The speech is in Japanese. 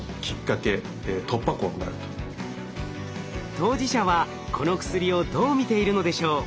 当事者はこの薬をどう見ているのでしょう？